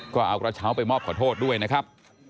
ก็เอากระเช้าไปมอบขอโทษด้วยนะครับ